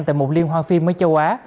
tại một liên hoan phim mới châu á